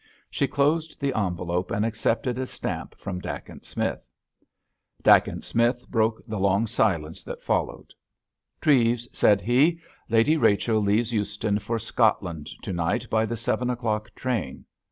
She closed the envelope and accepted a stamp from Dacent Smith. Dacent Smith broke the long silence that followed. "Treves," said he, "Lady Rachel leaves Euston for Scotland to night by the seven o'clock train."